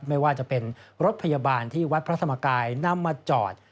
ไม่ว่าจะเป็นรถพยาบาลที่วัดพระธรรมกายนำมาจอด